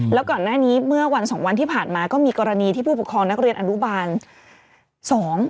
แล้วก่อนหน้านี้เมื่อวันสองวันที่ผ่านมาก็มีกรณีที่ผู้ปกครองนักเรียนอนุบาลสอง